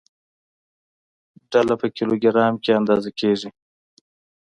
ډله په کیلوګرام کې اندازه کېږي.